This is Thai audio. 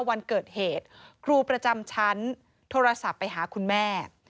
วันเกิดเหตุครูประจำชั้นโทรศัพท์ไปหาคุณแม่